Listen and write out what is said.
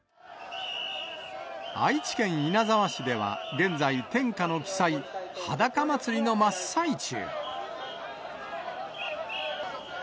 愛知県稲沢市では、現在、天下の奇祭、はだか祭の真っ最中。